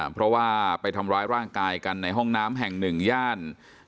เพราะว่าไปทำร้ายร่างกายกันในห้องน้ำแห่งหนึ่งย่าน